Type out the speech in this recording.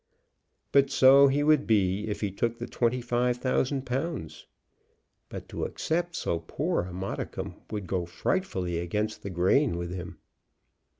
But so he would be if he took the twenty five thousand pounds. But to accept so poor a modicum would go frightfully against the grain with him.